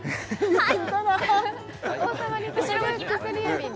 はい